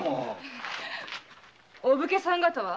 お武家さん方は？